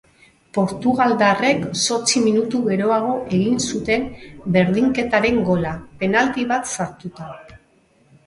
Portugaldarrek zortzi minutu geroago egin zuten berdinketaren gola, penalti bat sartuta.